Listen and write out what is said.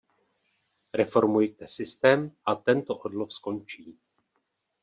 Reformujte systém a tento odlov skončí.